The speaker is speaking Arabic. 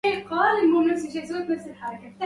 عذرا لم أرسل بريداً إلكترونيا أبكر.